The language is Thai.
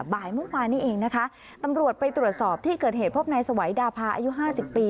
บ่ายเมื่อวานนี้เองนะคะตำรวจไปตรวจสอบที่เกิดเหตุพบนายสวัยดาพาอายุห้าสิบปี